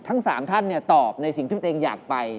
ทั้ง๓ท่านตอบในสิ่งที่ตัวเองอยากไป